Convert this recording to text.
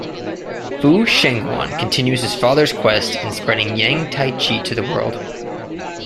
Fu Shengyuan continues his father's quest in spreading Yang t'ai chi to the world.